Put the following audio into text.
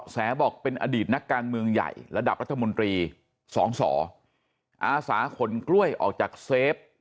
แสบอกเป็นอดีตนักการเมืองใหญ่ระดับรัฐมนตรีสองสออาสาขนกล้วยออกจากเซฟ